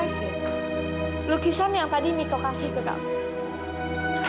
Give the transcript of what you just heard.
lukisan yang tadi miko kasih ke kamu